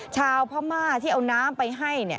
ชาวพม่าที่เอาน้ำไปให้